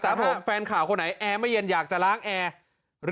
แต่ผมแฟนข่าวคนไหนแอร์ไม่เย็นอยากจะล้างแอร์